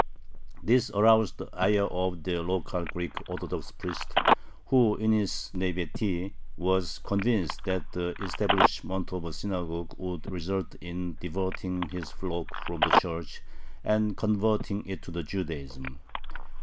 This aroused the ire of the local Greek Orthodox priest, who in his naïveté was convinced that the establishment of a synagogue would result in diverting his flock from the Church and converting it to Judaism.